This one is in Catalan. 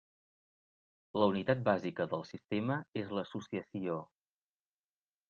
La unitat bàsica del sistema és l'associació.